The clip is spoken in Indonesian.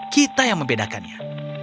kita yang membedakannya